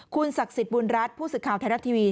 คุณศักดิ์สิทธิ์บุญรัฐผู้สื่อข่าวไทยรัฐทีวี